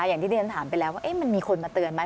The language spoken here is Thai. อย่างที่เรียนถามไปแล้วว่ามันมีคนมาเตือนไหม